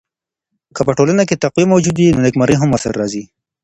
که په ټولنه کي تقوی موجوده وي نو نېکمرغي هم ورسره راځي.